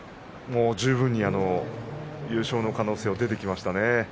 十分に優勝の可能性が出てきましたね。